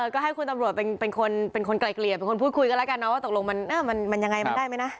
ก็ให้คุณตำรวจเป็นคนไกลเกลี่ยเป็นคนพูดคุยกันแล้วกันนะว่าตกลงมันยังไงมันได้ไหมนะ